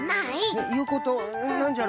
えっいうことなんじゃろ？